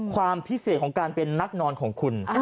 ความพิเศษของการเป็นนักนอนของคุณ